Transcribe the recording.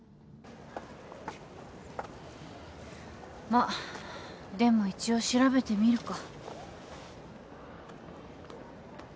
まっでも一応調べてみるか。